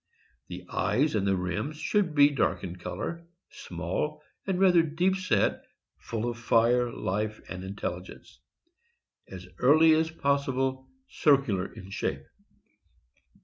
The eyes and the rims should be dark in color, small, and rather deep set, full of fire, life, and intelligence; as nearly as possible circular in shape.